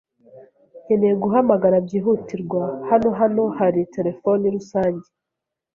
Nkeneye guhamagara byihutirwa. Hano hano hari terefone rusange?